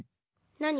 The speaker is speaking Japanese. なに？